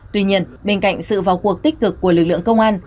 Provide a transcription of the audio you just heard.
tuy nhiên bên cạnh sự vào cuộc tích cực của lực lượng công an